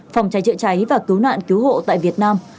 phòng cháy chữa cháy và cứu nạn cứu hộ tại việt nam